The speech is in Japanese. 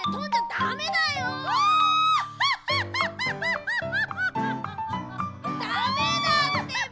ダメだってば！